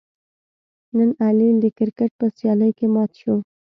نن علي د کرکیټ په سیالۍ کې مات شو.